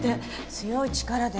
強い力で